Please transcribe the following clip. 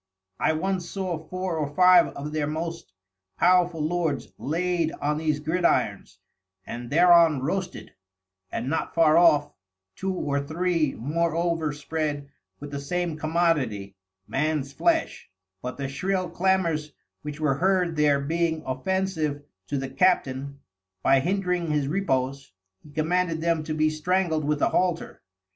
I once saw Four or Five of their most Powerful Lords laid on these Gridirons, and thereon roasted, and not far off, Two or Three more over spread with the same Commodity, Man's Flesh; but the shril Clamours which were heard there being offensive to the Captain, by hindring his Repose, he commanded them to be strangled with a Halter.